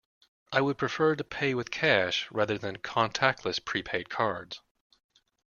I would prefer to pay with cash rather than contactless prepaid cards.